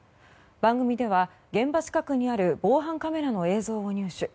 番組では現場近くにある防犯カメラの映像を入手。